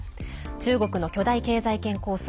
中国の巨大経済圏構想